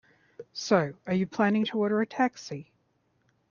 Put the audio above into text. So, are you planning to order a taxi?